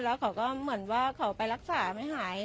แล้วเขาก็เหมือนว่าเขาไปรักษาไม่หาย